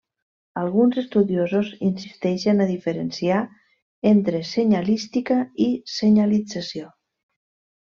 Alguns estudiosos insisteixen a diferenciar entre senyalística i senyalització.